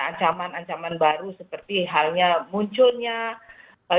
ancaman ancaman baru seperti halnya munculnya